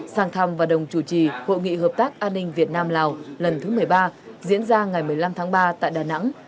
sang thăm và đồng chủ trì hội nghị hợp tác an ninh việt nam lào lần thứ một mươi ba diễn ra ngày một mươi năm tháng ba tại đà nẵng